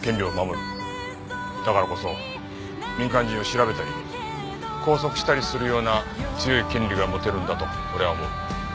だからこそ民間人を調べたり拘束したりするような強い権利が持てるんだと俺は思う。